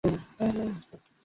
আমি কীভাবে ভবিষ্যতে বেচে থাকবো?